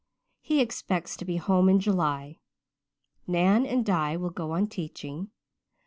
He expects to be home in July. Nan and Di will go on teaching.